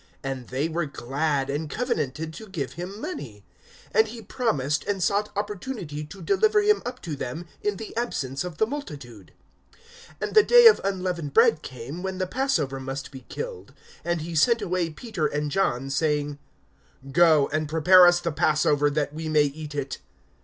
(5)And they were glad, and covenanted to give him money. (6)And he promised, and sought opportunity to deliver him up to them in the absence of the multitude. (7)And the day of unleavened bread came, when the passover must be killed. (8)And he sent away Peter and John, saying: Go, and prepare us the passover, that we may eat it.